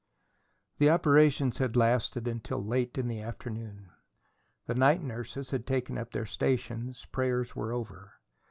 The operations had lasted until late in the afternoon. The night nurses had taken up their stations; prayers were over.